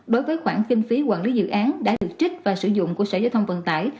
đối với khoản kinh phí quản lý dự án đã được trích và sử dụng của sở giao thông vận tải